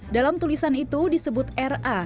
dalam tulisan itu disebut ra